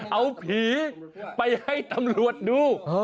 เอาผีไปให้ตำรวจดู